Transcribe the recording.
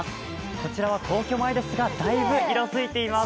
こちらは皇居前ですが、だいぶ色づいています。